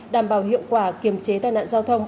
đảm bảo hiệu quả kiềm chế tai nạn giao thông